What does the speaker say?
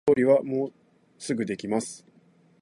料理はもうすぐできます